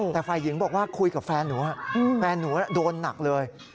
แต่ฝ่ายหญิงบอกว่าคุยกับแฟนหนูแฟนหนูโดนหนักเลย